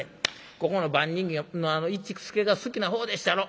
ここの番人の市助が好きな方でっしゃろ。